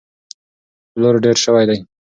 پلور ډېر شوی دی.